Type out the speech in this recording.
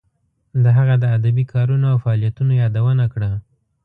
د هغه د ادبی کارونو او فعالیتونو یادونه کړه.